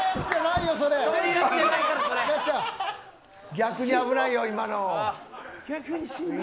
逆に危ないよ、今の。